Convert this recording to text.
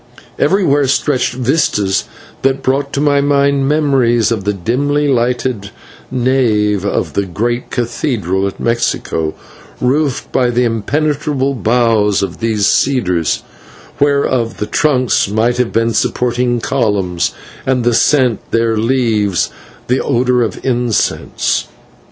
Everywhere stretched vistas that brought to my mind memories of the dimly lighted nave of the great cathedral at Mexico, roofed by the impenetrable boughs of these cedars, whereof the trunks might have been supporting columns and the scent of their leaves the odour of incense.